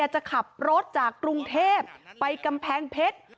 จะขับรถจากกรุงเทพไปกำแพงเพชร